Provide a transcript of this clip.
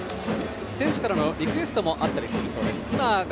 選手からのリクエストもあったりするそうです。